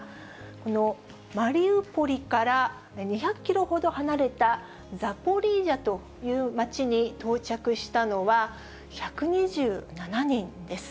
このマリウポリから２００キロほど離れたザポリージャという町に到着したのは、１２７人です。